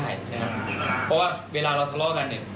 เพราะว่าเวลาเราทะเลาะกัน